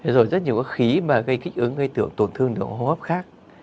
rồi rất nhiều khí gây kích ứng tổn thương đường hô hấp khác